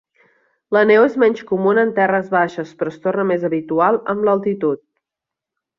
La neu és menys comuna en terres baixes, però es torna més habitual amb l'altitud.